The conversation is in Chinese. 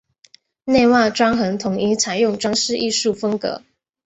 内外装潢统一采用装饰艺术风格。